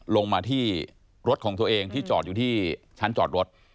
ลงมาที่รถของตัวเองที่จอดอยู่ที่ชั้นจอดรถ